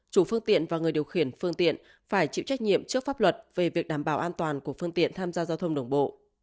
chủ phương tiện và người điều khiển phương tiện phải chịu trách nhiệm trước pháp luật về việc đảm bảo an toàn của phương tiện tham gia giao thông đồng bộ